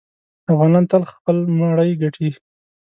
افغانان تل خپل مړی ګټي.